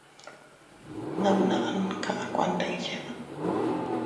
Namnaʼan kaʼa kuandiya.